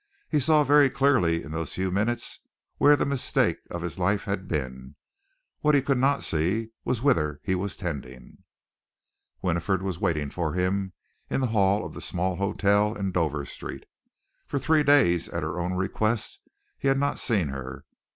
He saw very clearly in those few minutes where the mistake of his life had been. What he could not see was whither he was tending. Winifred was waiting for him in the hall of the small hotel in Dover Street. For three days, at her own request, he had not seen her.